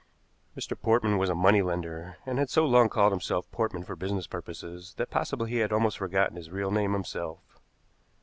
Mr. Portman was a money lender, and had so long called himself Portman for business purposes that possibly he had almost forgotten his real name himself.